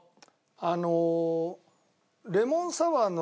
あの。